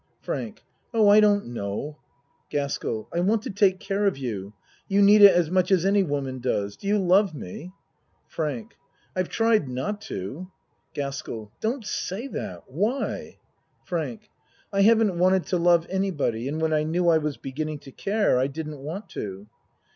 FRANK Oh, I don't know. GASKELL I want to take care of you. You need it as much as any woman does. Do you love me? FRANK I've tried not to. GASKELL Don't say that. Why? FRANK I haven't wanted to love anybody and when I knew I was beginning to care I didn't want to.